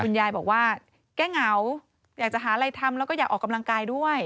ยายบอกว่าแก้เหงาอยากจะหาอะไรทำแล้วก็อยากออกกำลังกายด้วย